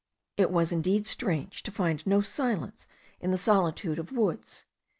It was indeed strange, to find no silence in the solitude of woods.